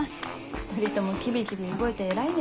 ２人ともキビキビ動いて偉いね。